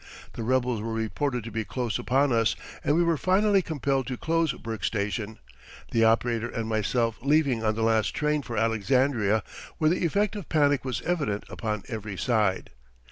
The rebels were reported to be close upon us and we were finally compelled to close Burke Station, the operator and myself leaving on the last train for Alexandria where the effect of panic was evident upon every side.